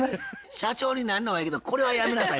社長になるのはええけどこれはやめなさい